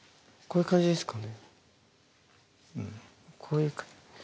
こういう感じですか？